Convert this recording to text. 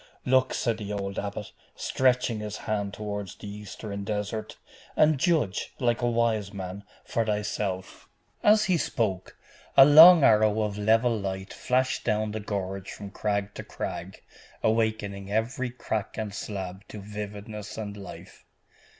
'Look,' said the old abbot, stretching his hand toward the Eastern desert, 'and judge, like a wise man, for thyself!' As he spoke, a long arrow of level light flashed down the gorge from crag to crag, awakening every crack and slab to vividness and life.